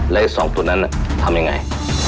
แล้วไอ้สองตัวนั้นน่ะทำยังไง